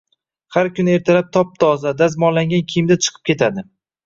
Har kuni ertalab top-toza, dazmollangan kiyimda chiqib ketadi